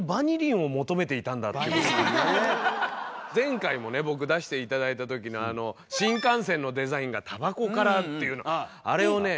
俺は前回もね僕出して頂いた時の新幹線のデザインがタバコからっていうのあれをね